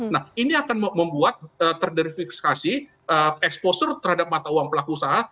nah ini akan membuat terdenverifikasi exposure terhadap mata uang pelaku usaha